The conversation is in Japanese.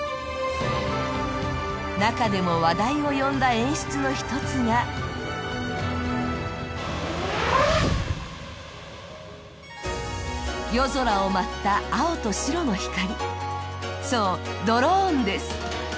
中でも話題を呼んだ演出の一つが夜空を舞った青と白の光そう、ドローンです。